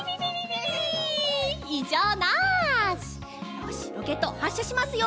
よしロケットはっしゃしますよ。